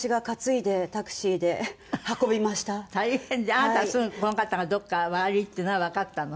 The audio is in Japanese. あなたはすぐこの方がどこか悪いっていうのはわかったの？